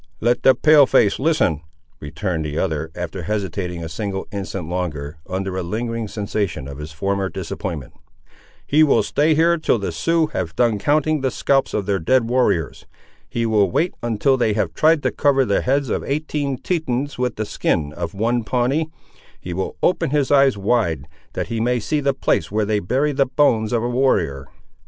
"Let the Pale face listen," returned the other, after hesitating a single instant longer, under a lingering sensation of his former disappointment. "He will stay here till the Siouxes have done counting the scalps of their dead warriors. He will wait until they have tried to cover the heads of eighteen Tetons with the skin of one Pawnee; he will open his eyes wide, that he may see the place where they bury the bones of a warrior."